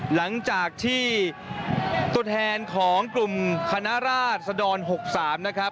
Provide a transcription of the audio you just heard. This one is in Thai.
หลังจากที่ตัวแทนของกลุ่มคณะราชสะดอน๖๓นะครับ